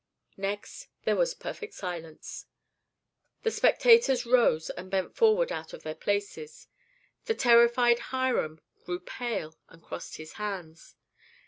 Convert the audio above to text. Next there was perfect silence; the spectators rose and bent forward out of their places, the terrified Hiram grew pale and crossed his hands.